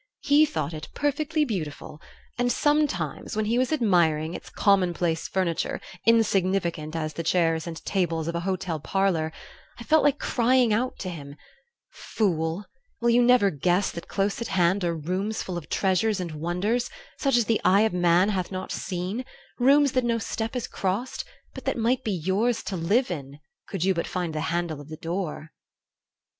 He thought it perfectly beautiful, and sometimes, when he was admiring its commonplace furniture, insignificant as the chairs and tables of a hotel parlor, I felt like crying out to him: 'Fool, will you never guess that close at hand are rooms full of treasures and wonders, such as the eye of man hath not seen, rooms that no step has crossed, but that might be yours to live in, could you but find the handle of the door?